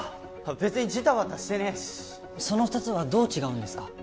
別にジタバタしてねえしその２つはどう違うんですか？